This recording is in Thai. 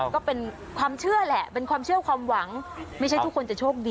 ก็เป็นความเชื่อแหละเป็นความเชื่อความหวังไม่ใช่ทุกคนจะโชคดี